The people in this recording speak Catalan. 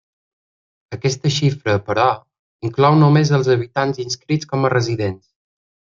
Aquesta xifra però inclou només els habitants inscrits com a residents.